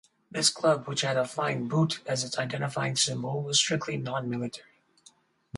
This club, which had a "Flying Boot" as its identifying symbol, was strictly non-military.